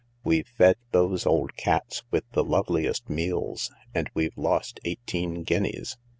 We've fed those old cats with the loveliest meals and we've lost eighteen guineas.